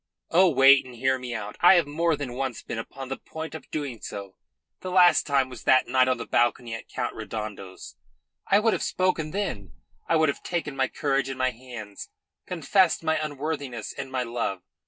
Oh, wait, and hear me out. I have more than once been upon the point of doing so the last time was that night on the balcony at Count Redondo's. I would have spoken then; I would have taken my courage in my hands, confessed my unworthiness and my love.